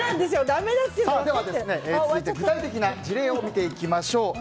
では、具体的な事例を見ていきましょう。